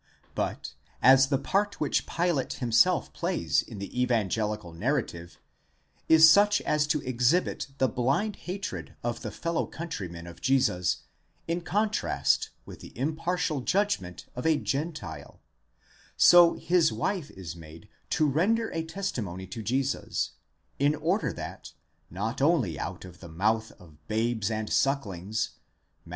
But, as the part which Pilate himself plays in the evangelical narrative is such as to exhibit the blind hatred of the fellow countrymen of Jesus in contrast with the impartial judgment of a Gentile; so his wife is made to render a testimony to Jesus, in order that, not only out of the mouth of dabes and sucklings (Matt.